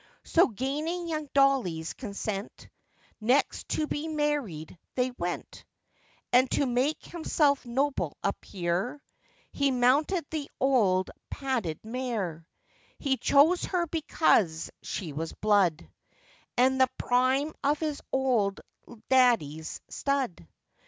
So, gaining young Dolly's consent, Next to be married they went; And to make himself noble appear, He mounted the old padded mare; He chose her because she was blood, And the prime of his old daddy's stud.